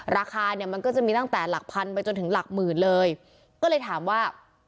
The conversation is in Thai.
ราคาเนี่ยมันก็จะมีตั้งแต่หลักพันไปจนถึงหลักหมื่นเลยก็เลยถามว่า